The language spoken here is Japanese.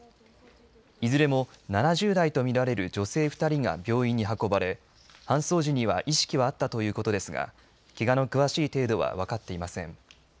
いずれも７０代と見られる女性２人が病院に運ばれ、搬送時には意識はあったということですがけがの詳しい程度は分かっていません。